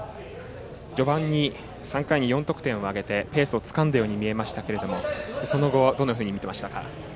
序盤、３回に４得点を挙げてペースをつかんだように見えましたがその後、どんなふうに見ていましたか？